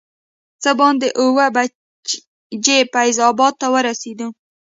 څه باندې اووه بجې فیض اباد ته ورسېدو.